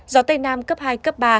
gió tây nam cấp hai cấp ba